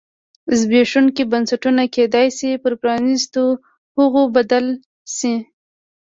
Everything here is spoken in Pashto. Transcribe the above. زبېښونکي بنسټونه کېدای شي پر پرانیستو هغو بدل شي.